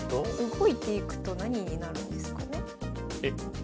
動いていくと何になるんですかね。